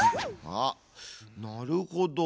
あっなるほど。